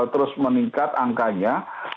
terus meningkat angkanya